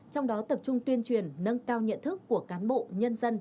trong đó tập trung tuyên truyền nâng cao nhận thức của cán bộ nhân dân